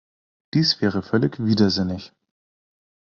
Dies wäre völlig widersinnig.